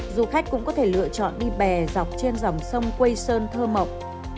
du khách cũng có thể lựa chọn đi bè dọc trên dòng sông quây sơn thơ mộng